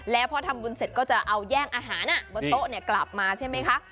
แล้วพอทำบุญเสร็จก็จะเอาแย่งอาหารบนโต๊ะกลับมาใช่ไหมคะ